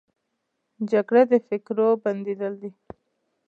جګړه د فکرو بندېدل دي